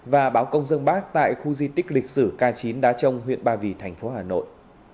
và báo công dân bác tại khu di tích lịch sử k chín đá trông huyện ba vì thành phố hà nội